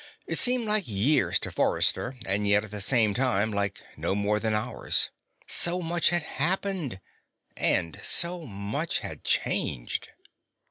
It seemed like years to Forrester, and yet, at the same time, like no more than hours. So much had happened, and so much had changed....